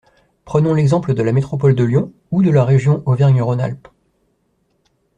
Prenons l’exemple de la métropole de Lyon, ou de la région Auvergne-Rhône-Alpes.